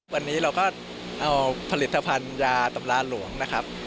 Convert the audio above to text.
วันนี้เราก็เอาผลิตภัณฑ์ยาตำราหลวงนะครับ